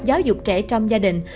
giáo dục trẻ trong gia đình